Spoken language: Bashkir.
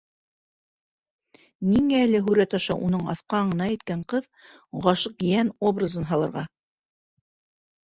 Ниңә әле һүрәт аша уның аҫҡы аңына еткән ҡыҙ, ғашиҡ йән образын һалырға?!